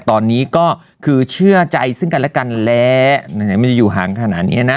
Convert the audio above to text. ตอนนี้ก็คือเชื่อใจซึ่งกันและกันและไหนมันจะอยู่ห่างขนาดนี้นะ